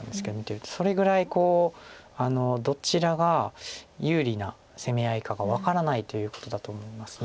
それぐらいどちらが有利な攻め合いかが分からないということだと思います。